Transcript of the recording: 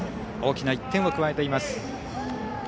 大きな１点を加えています。